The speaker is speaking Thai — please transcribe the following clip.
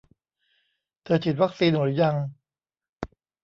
เธอฉีดวัคซีนหรือยัง